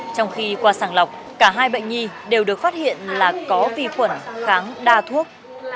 trong khi qua sàng lọc cả hai bệnh nhi đều được phát hiện là có vi khuẩn kháng đa thuốc